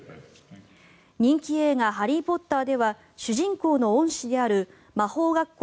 人気映画「ハリー・ポッター」では主人公の恩師である魔法学校